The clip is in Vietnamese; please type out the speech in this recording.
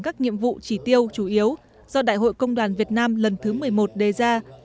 các nhiệm vụ chỉ tiêu chủ yếu do đại hội công đoàn việt nam lần thứ một mươi một đề ra